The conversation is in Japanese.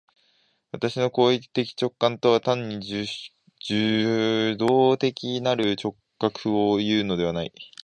私の行為的直観とは単に受働的なる直覚をいうのではない。